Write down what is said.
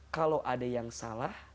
kalau ada yang salah